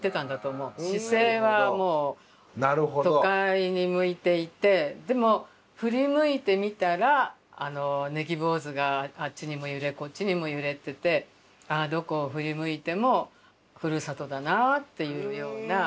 視線はもう都会に向いていてでも振り向いてみたら葱坊主があっちにも揺れこっちにも揺れててああどこを振り向いてもふるさとだなっていうような。